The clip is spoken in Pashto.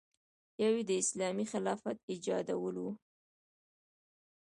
یو یې د اسلامي خلافت ایجادول و.